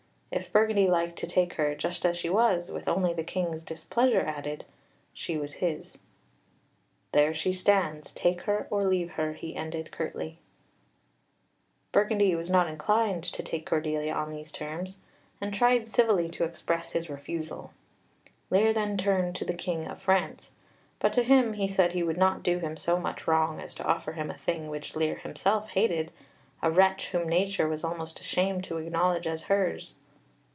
If Burgundy liked to take her, just as she was, with only the King's displeasure added, she was his. "There she stands. Take her or leave her," he ended curtly. [Illustration: "There she stands"] Burgundy was not inclined to take Cordelia on these terms, and tried civilly to express his refusal. Lear then turned to the King of France, but to him he said he would not do him so much wrong as to offer him a thing which Lear himself hated a wretch whom nature was almost ashamed to acknowledge as hers.